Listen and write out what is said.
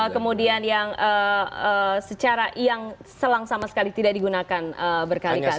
kemudian yang secara yang selang sama sekali tidak digunakan berkali kali